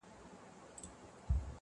د قدرت پر دښمنانو کړي مور بوره-